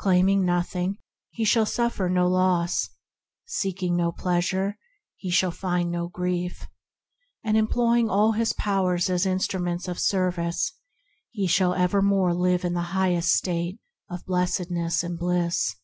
Claiming nothing, he shall suffer no loss; seeking no pleasure, he shall find no grief; and employ ing all his powers as instruments of service, he shall evermore live in the highest state of blessedness and bliss.